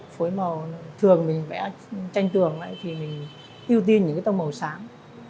phối màu thường mình vẽ tranh tường thì mình ưu tiên những cái tông màu sáng